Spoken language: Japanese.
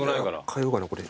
替えようかなこれ。